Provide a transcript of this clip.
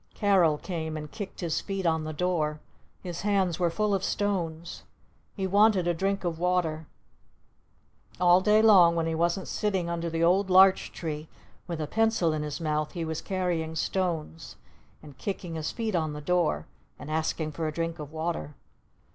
Carol came and kicked his feet on the door. His hands were full of stones. He wanted a drink of water. All day long when he wasn't sitting under the old Larch Tree with a pencil in his mouth he was carrying stones! And kicking his feet on the door! And asking for a drink of water!